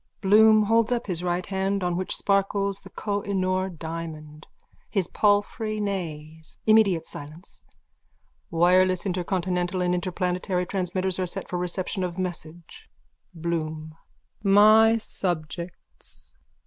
_(Bloom holds up his right hand on which sparkles the Koh i Noor diamond. His palfrey neighs. Immediate silence. Wireless intercontinental and interplanetary transmitters are set for reception of message.)_ BLOOM: My subjects!